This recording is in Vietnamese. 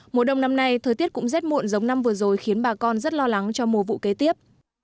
mùa đông năm nay thời tiết cũng rét muộn giống năm vừa rồi khiến bà con rất lo lắng cho mùa vụ kế tiếp